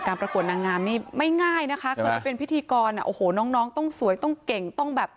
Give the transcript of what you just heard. การประกวดนางงามนี่ไม่ง่ายนะคะเผื่อเป็นพิธีกรโอ้โหน้องต้องสวยต้องเก่ง